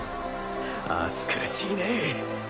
暑苦しいね。